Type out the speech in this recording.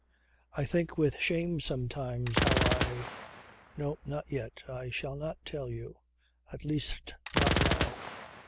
"I think with shame sometimes how I ... No not yet. I shall not tell you. At least not now."